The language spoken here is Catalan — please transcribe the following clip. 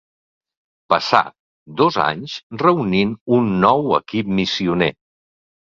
Passà dos anys reunint un nou equip missioner.